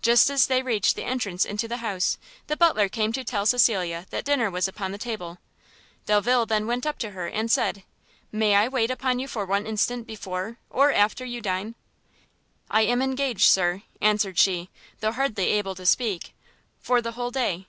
Just as they reached the entrance into the house, the Butler came to tell Cecilia that dinner was upon the table. Delvile then went up to her, and said, "May I wait upon you for one instant before or after you dine?" "I am engaged, Sir," answered she, though hardly able to speak, "for the whole day."